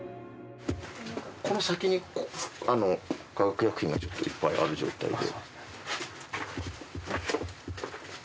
この先に化学薬品がちょっといっぱいある状態で。